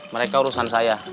mereka urusan saya